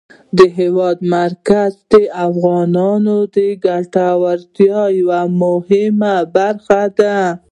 د هېواد مرکز د افغانانو د ګټورتیا یوه مهمه برخه ده.